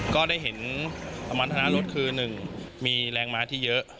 ก็ได้เห็นประมาณธนารสคือ๑มีแรงม้าที่เยอะ